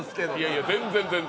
いや、全然全然。